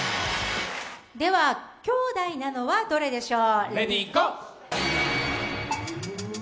きょうだいなのはどれでしょう？